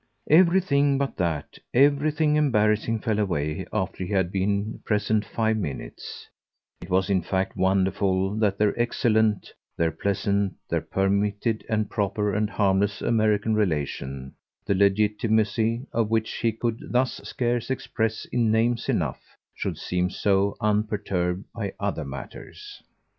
Everything but that, everything embarrassing fell away after he had been present five minutes: it was in fact wonderful that their excellent, their pleasant, their permitted and proper and harmless American relation the legitimacy of which he could thus scarce express in names enough should seem so unperturbed by other matters.